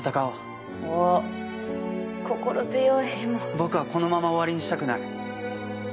僕はこのまま終わりにしたくない。